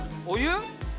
お湯？